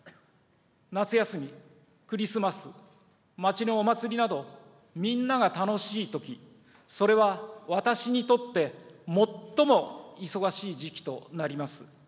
夏休み、クリスマス、町のお祭りなど、みんなが楽しいとき、それは私にとって最も忙しい時期となります。